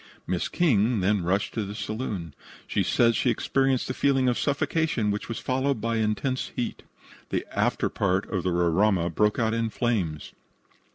Miss King then rushed to the saloon. She says she experienced a feeling of suffocation, which was followed by intense heat. The afterpart of the Roraima broke out in flames.